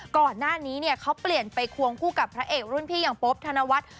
ก่อนหน้านี้เนี่ยเขาเปลี่ยนไปควงคู่กับพระเอกรุ่นพี่อย่างโป๊บธนวัฒน์